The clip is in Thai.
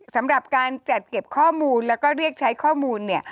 สำหรับการจัดเก็บข้อมูลแล้วก็เรียกใช้ข้อมูลเนี่ย